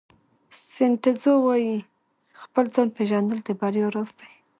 سن ټزو وایي خپل ځان پېژندل د بریا راز دی.